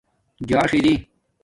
جاݽ اِری